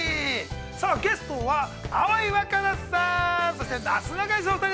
さあゲストは葵わかなさん、そしてなすなかにしのお二人。